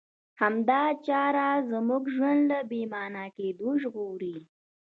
همدا چاره زموږ ژوند له بې مانا کېدو ژغوري.